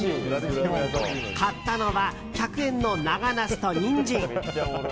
買ったのは１００円の長ナスとニンジン。